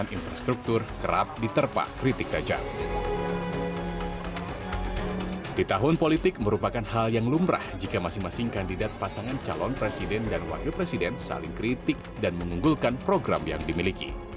di tahun politik merupakan hal yang lumrah jika masing masing kandidat pasangan calon presiden dan wakil presiden saling kritik dan mengunggulkan program yang dimiliki